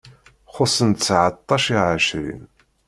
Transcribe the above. Xuṣṣen ttseɛṭac i ɛecrin.